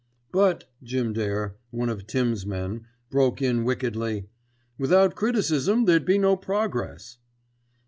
"But," Jim Dare, one of "Tims'" men, broke in wickedly, "without criticism there'd be no progress."